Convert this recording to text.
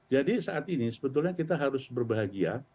jadi saat ini sebetulnya kita harus berbahagia